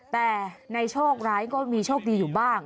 แต่ในโชคร้ายก็มีโชคดีอยู่บ้าง